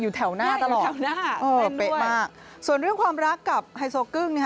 อยู่แถวหน้าเต้นด้วยส่วนเรื่องความรักกับไฮโซ่กึ้ง